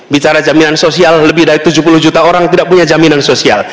bicara jaminan sosial lebih dari tujuh puluh juta orang tidak punya jaminan sosial